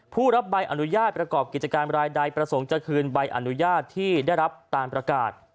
รับใบอนุญาตประกอบกิจการรายใดประสงค์จะคืนใบอนุญาตที่ได้รับตามประกาศ